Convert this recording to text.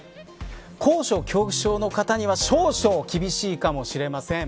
高所恐怖症の方には少々厳しいかもしれません。